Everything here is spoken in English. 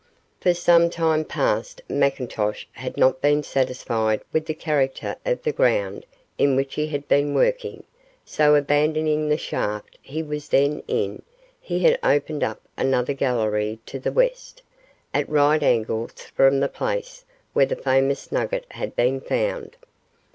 For some time past McIntosh had not been satisfied with the character of the ground in which he had been working, so abandoning the shaft he was then in, he had opened up another gallery to the west, at right angles from the place where the famous nugget had been found.